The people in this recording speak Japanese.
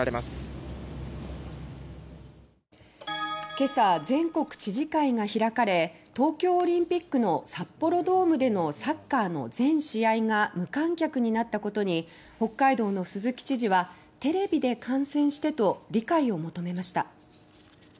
きょう全国知事会が開かれ東京オリンピックの札幌ドームでのサッカーの全試合が無観客になったことに北海道の鈴木知事は「テレビで観戦して」と理解を求めました。